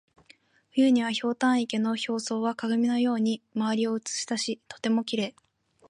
冬には、ひょうたん池の表層は鏡のように周りを写し出しとてもきれい。